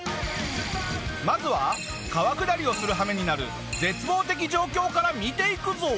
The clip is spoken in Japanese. まずは川下りをする羽目になる絶望的状況から見ていくぞ。